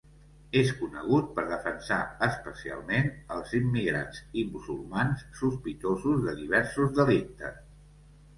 És conegut per defensar especialment els immigrants i musulmans sospitosos de diversos delictes.